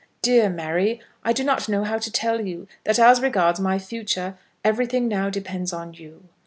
Dear Mary, I do not know how to tell you, that as regards my future everything now depends on you.